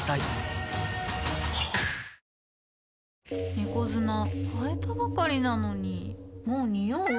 猫砂替えたばかりなのにもうニオう？